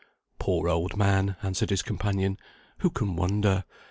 "Poor old man," answered his companion, "who can wonder?